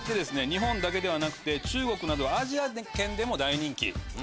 日本だけではなくて中国などアジア圏でも大人気。